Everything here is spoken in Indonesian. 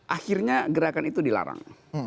akhirnya gerakan itu dilarang